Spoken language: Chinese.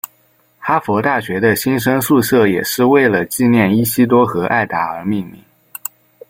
哈佛大学的新生宿舍也是为了纪念伊西多和艾达而命名。